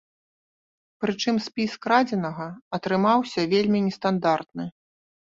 Прычым спіс крадзенага атрымаўся вельмі нестандартны.